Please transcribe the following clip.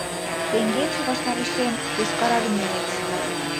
Теҥгече ваштарешем йошкарармеец...